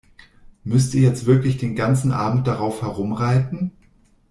Müsst ihr jetzt wirklich den ganzen Abend darauf herumreiten?